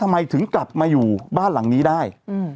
ทำไมถึงกลับมาอยู่บ้านหลังนี้ได้